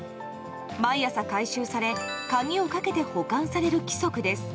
毎朝回収され鍵をかけて保管される規則です。